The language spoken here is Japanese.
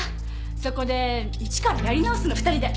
そこで一からやり直すの２人で。